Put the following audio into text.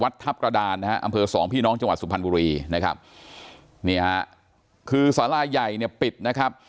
ทัพกระดานนะฮะอำเภอสองพี่น้องจังหวัดสุพรรณบุรีนะครับนี่ฮะคือสาราใหญ่เนี่ยปิดนะครับ